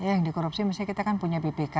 yang dikorupsi misalnya kita kan punya bpk